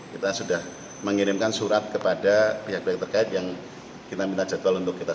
kita sudah mengirimkan surat kepada pihak pihak terkait yang kita minta jadwal untuk kita